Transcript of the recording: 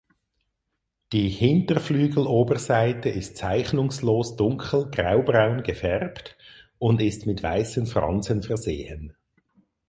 Die Hinterflügeloberseite ist zeichnungslos dunkel graubraun gefärbt und ist mit weißen Fransen versehen.